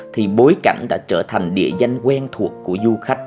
thì bối cảnh đã trở thành địa danh quen thuộc của du khách